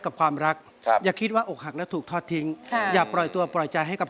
แล้วตกลงคนใหม่นี้จริงไม่ค่ะผู้หญิงผู้ชายครับ